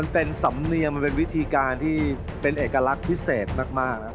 เป็นสำเนียงมันเป็นวิธีการที่เป็นเอกลักษณ์พิเศษมากนะครับ